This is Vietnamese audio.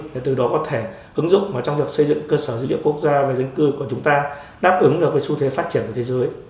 để từ đó có thể ứng dụng trong việc xây dựng cơ sở dữ liệu quốc gia về dân cư của chúng ta đáp ứng được với xu thế phát triển của thế giới